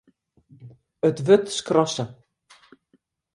It wurd skrasse.